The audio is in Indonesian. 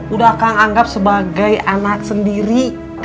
udah kang anggap sebagai anak sendiri